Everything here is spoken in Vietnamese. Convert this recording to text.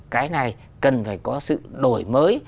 cái này cần phải có sự đổi mới